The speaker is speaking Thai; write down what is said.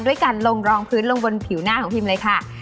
การลงรองพื้นลงบนผิวหน้าของพิมเลยค่ะ